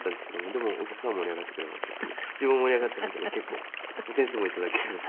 でもお客さん盛り上がってくれましたし自分も盛り上がって本当に結構点数も頂けたので。